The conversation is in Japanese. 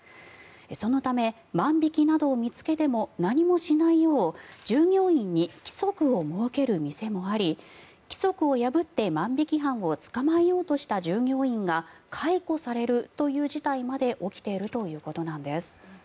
そのため万引きなどを見つけても何もしないよう従業員に規則を設ける店もあり規則を破って万引き犯を捕まえようとした従業員が解雇されるという事態まで起きているということなんです。